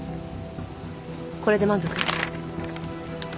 これで満足？